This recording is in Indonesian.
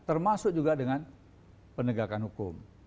termasuk juga dengan penegakan hukum